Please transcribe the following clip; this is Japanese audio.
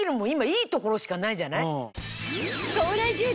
今いいところしかないじゃない。